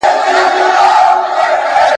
د توپان غرغړې اورم د بېړیو جنازې دي `